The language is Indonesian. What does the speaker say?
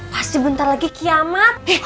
pasti bentar lagi kiamat